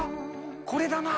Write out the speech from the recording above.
これだな。